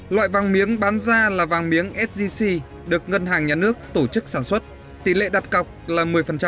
loại vàng miếng bán ra là vàng miếng sgc được ngân hàng nhà nước tổ chức sản xuất tỷ lệ đặt cọc là một mươi